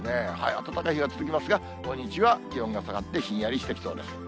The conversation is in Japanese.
暖かい日が続きますが、土日は気温が下がってひんやりしてきそうです。